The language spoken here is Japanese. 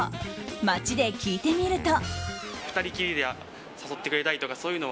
街で聞いてみると。